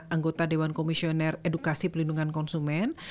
anggota dewan komisioner edukasi pelindungan konsumen